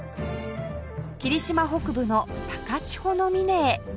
霧島北部の高千穂峰へ